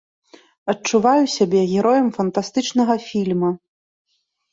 Адчуваю сябе героем фантастычнага фільма.